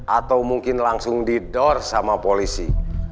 atau mungkin langsung didor sama polisi